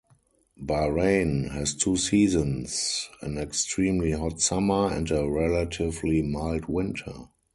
Bahrain has two seasons: an extremely hot summer and a relatively mild winter.